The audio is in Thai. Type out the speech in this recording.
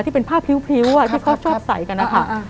ที่เป็นผ้าพริ้วที่เขาชอบใส่กันนะคะ